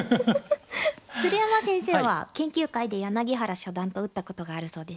鶴山先生は研究会で柳原初段と打ったことがあるそうですね。